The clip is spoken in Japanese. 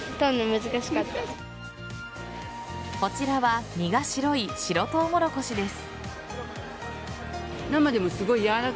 こちらは実が白い白トウモロコシです。